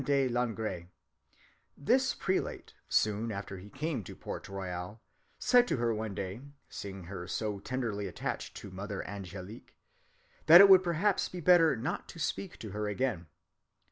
de Langres. This prelate, soon after he came to Port Royal, said to her one day, seeing her so tenderly attached to Mother Angélique, that it would perhaps be better not to speak to her again.